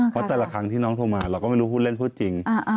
เพราะแต่ละครั้งที่น้องโทรมาเราก็ไม่รู้พูดเล่นพูดจริง